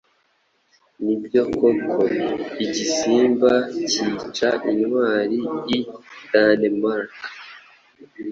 Nibyo koko igisimba cyica intwari i Danemark